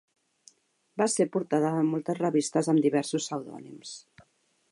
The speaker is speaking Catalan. Va ser portada de moltes revistes amb diversos pseudònims.